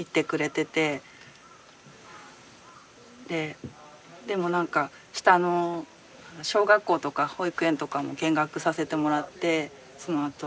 ででも何か下の小学校とか保育園とかも見学させてもらってそのあと。